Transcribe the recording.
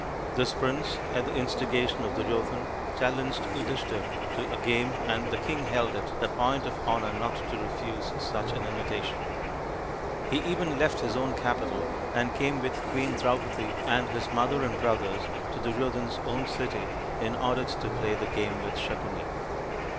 This prince, at the instigation of Duryodhan, challenged Yudhishthir to a game, and the king held it a point of honour not to refuse such THE FIVE TALL SONS OF PANDU 87 an invitation ; he even left his own capital, and came with Queen Draupadi and his mother and brothers to Duryodhan's own city in order to play the game with Sakuni.